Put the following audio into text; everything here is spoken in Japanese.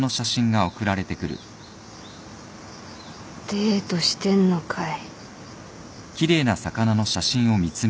デートしてんのかい。